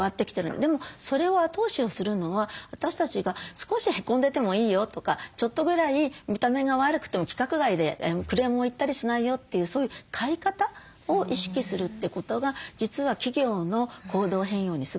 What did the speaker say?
でもそれを後押しをするのは私たちが少しへこんでてもいいよとかちょっとぐらい見た目が悪くても規格外でクレームを言ったりしないよというそういう買い方を意識するってことが実は企業の行動変容にすごくつながっていってる。